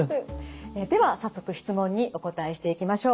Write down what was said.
では早速質問にお答えしていきましょう。